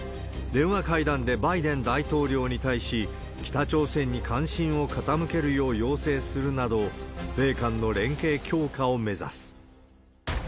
電話会談でバイデン大統領に対し、北朝鮮に関心を傾けるよう要請するなど、米韓の連携強化を目指す。